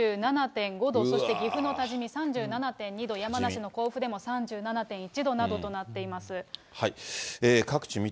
そして岐阜の多治見３７．２度、山梨の甲府でも３７．１度などとなっています。